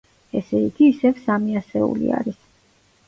ესე იგი, ისევ სამი ასეული არის.